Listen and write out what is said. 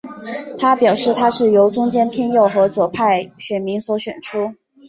他表示他是由中间偏右和左派选民所选出。